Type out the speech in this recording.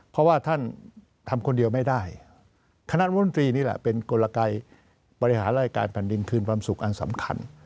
เพราะว่าท่านทำคนเดียวไม่ได้คณะมนตรีนี่แหละเป็นกลไกบริหารรายการแผ่นดินคืนความสุขอันสำคัญ